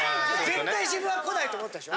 ・絶対自分は来ないと思ったでしょ？